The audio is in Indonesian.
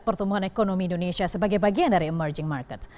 pertumbuhan ekonomi indonesia sebagai bagian dari emerging markets